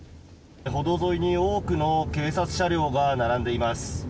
歩道沿いに多くの警察車両が並んでいます。